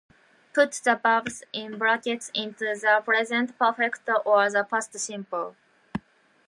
Put the verbs in brackets into the Present Perfect or the Past Simple.